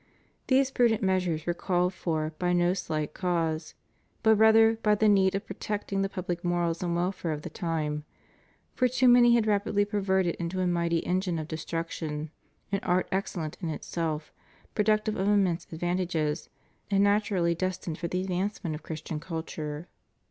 These prudent measures were called for by no slight cause, but rather by the need of protecting the public morals and welfare at the time; for too many had rapidly perverted into a mighty engine of destruction an art excellent in itself, productive of immense advan tages, and naturally destined for the advancement of Christian culture.